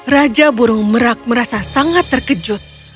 raja burung merak merasa sangat terkejut